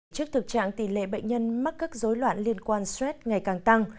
trước thực trạng tỷ lệ bệnh nhân mắc các dối loạn liên quan stress ngày càng tăng